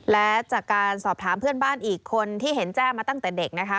และจากการสอบถามเพื่อนบ้านอีกคนที่เห็นแจ้มาตั้งแต่เด็กนะคะ